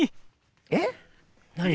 えっ何？